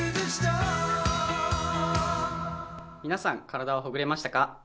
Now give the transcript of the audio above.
皆さん、体はほぐれましたか？